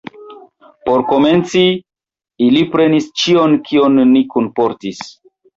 Por komenci, ili prenis ĉion, kion ni kunportis.